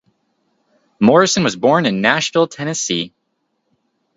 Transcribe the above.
Morrison was born in Nashville, Tennessee.